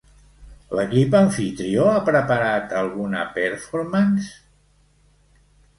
L'equip amfitrió ha preparat alguna performance?